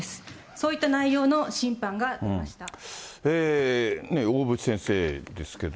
そういった内容の審判がありまし大渕先生ですけど。